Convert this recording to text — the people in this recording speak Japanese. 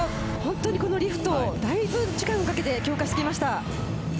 このリフト、だいぶ時間をかけて強化してきました。